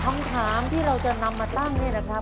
คำถามที่เราจะนำมาตั้งเนี่ยนะครับ